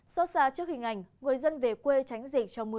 số xa trước hình ảnh người dân về quê tránh dịch trong mùa gió